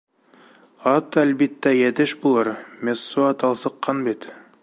Ат, әлбиттә, йәтеш булыр, Мессуа талсыҡҡан бит.